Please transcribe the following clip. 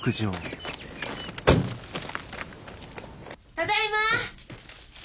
ただいま。